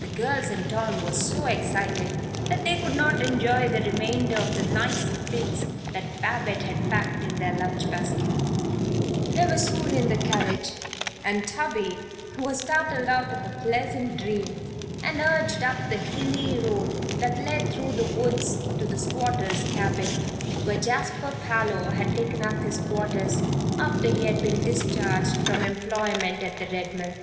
The girls and Tom were so excited that they could not enjoy the remainder of the nice things that Babette had packed in their lunch basket They were soon in the carriage, and Tubby was startled out of a pleasant dream and urged up the hilly road that led through the woods to the squatter's cabin, where Jasper Parloe had taken up his quarters after he had been discharged from employment at the Red Mill.